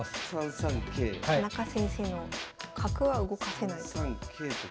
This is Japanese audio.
田中先生の角は動かせないと。